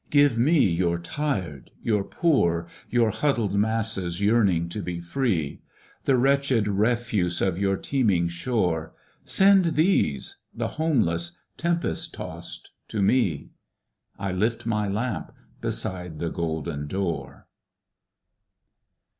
"Give me your tired, your poor, Your huddled masses yearning to be free, The wretched refuse of your teeming shore. Send these, the homeless, tempest tost to me, I lift my lamp beside the golden door!"